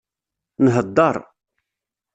Nheddeṛ.